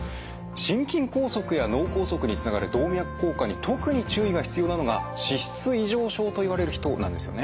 心筋梗塞や脳梗塞につながる動脈硬化に特に注意が必要なのが脂質異常症といわれる人なんですよね。